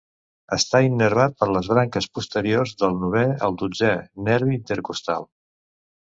Està innervat per les branques posteriors del novè al dotzè nervi intercostal.